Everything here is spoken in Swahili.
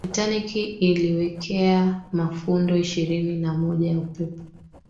titanic iliwekewa mafundo ishirini na moja ya upepo